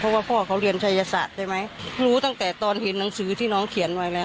เพราะว่าพ่อเขาเรียนชายศาสตร์ได้ไหมรู้ตั้งแต่ตอนเห็นหนังสือที่น้องเขียนไว้แล้ว